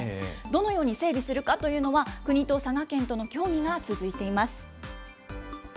どのように整備するかというのは、国と佐賀県との協議が続いています。